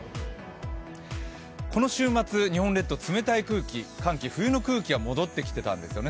この週末、日本列島、冷たい空気、寒気、冬の空気が戻ってきていたんですね。